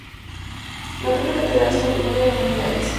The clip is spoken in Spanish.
La propia catedral es Patrimonio de la Humanidad.